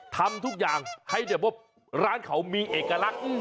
ทำทุกอย่างให้แบบว่าร้านเขามีเอกลักษณ์